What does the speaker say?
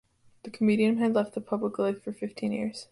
The comedian had left the public life for fifteen years.